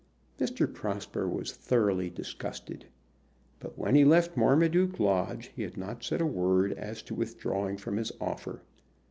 Mr. Prosper was thoroughly disgusted; but when he left Marmaduke Lodge he had not said a word as to withdrawing from his offer.